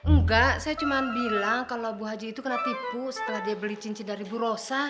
enggak saya cuma bilang kalau bu haji itu kena tipu setelah dia beli cincin dari bu rosa